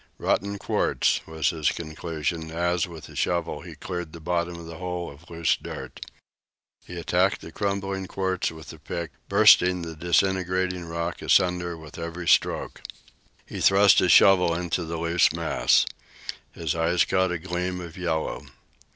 "Rotten quartz," was his conclusion as, with the shovel, he cleared the bottom of the hole of loose dirt. He attacked the crumbling quartz with the pick, bursting the disintegrating rock asunder with every stroke. He thrust his shovel into the loose mass. His eye caught a gleam of yellow.